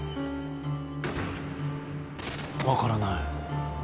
分からない。